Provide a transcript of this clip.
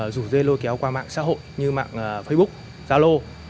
rủ dê lôi kéo qua mạng xã hội như mạng facebook zalo